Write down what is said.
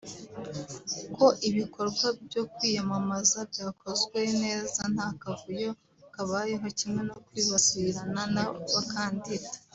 ko ibikorwa byo kwiyamamaza byakozwe neza nta kavuyo kabayeho kimwe no kwibasirana kw’abakandida